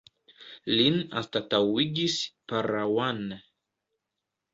Lin anstataŭigis Para One.